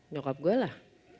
nyokap gue lah